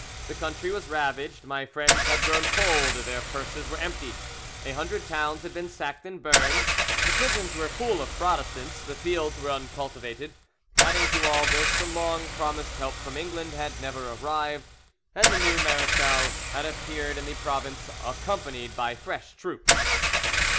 The country was ravaged, my friends had grown cold, their purses were empty, a hundred towns had been sacked and burned, the prisons were full of Protestants, the fields were uncultivated. Added to all this, the long promised help from England had never arrived, and the new marechal had appeared in the province accompanied by fresh troops."